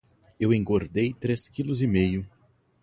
Eu engordei três quilos e meio.